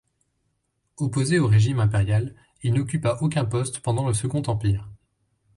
Opposé au régime impérial, il n'occupa aucun poste pendant le Second Empire.